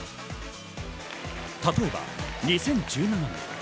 例えば２０１７年。